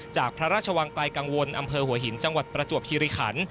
จากพระราชวังไกลกังวลอำเภอหัวหินจังหวัดประจวบคิริขัน